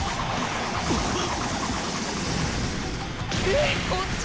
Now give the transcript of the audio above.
えっこっち！？